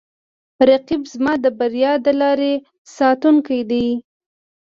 رقیب زما د بریا د لارې ساتونکی دی